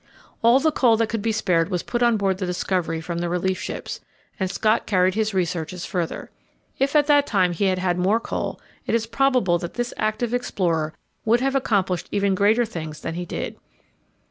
All the coal that could be spared was put on board the Discovery from the relief ships, and Scott carried his researches further. If at that time he had had more coal, it is probable that this active explorer would have accomplished even greater things than he did.